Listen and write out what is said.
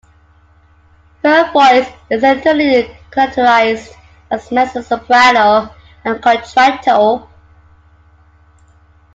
Her voice is alternately characterized as mezzo-soprano and contralto.